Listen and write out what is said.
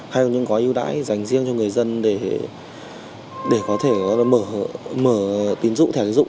hay là những gói ưu đãi dành riêng cho người dân để có thể mở tín dụng thẻ tiến dụng